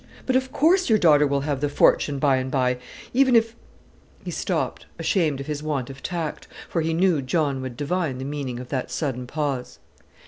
But of course your daughter will have the fortune by and by, even if " He stopped, ashamed of his want of tact; for he knew John would divine the meaning of that sudden pause.